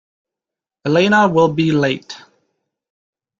Elena will be late.